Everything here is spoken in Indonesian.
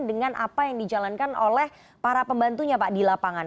dengan apa yang dijalankan oleh para pembantunya pak di lapangan